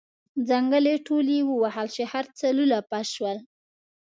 ځنګلې ټولې ووهل شوې هر څه لولپه شول.